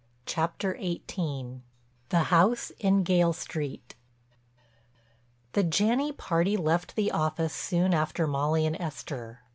CHAPTER XVIII—THE HOUSE IN GAYLE STREET The Janney party left the office soon after Molly and Esther.